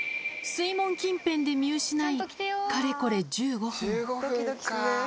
水門近辺で見失い、かれこれ１５分。